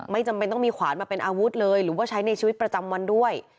จำเป็นต้องมีขวานมาเป็นอาวุธเลยหรือว่าใช้ในชีวิตประจำวันด้วย